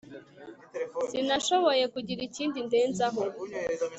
sinashoboye kugira ikindi ndenzaho .